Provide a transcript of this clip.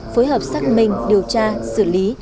phối hợp xác minh điều tra xử lý